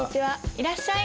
いらっしゃい。